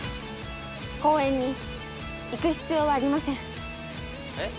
公園に行く必要はありませんえっ？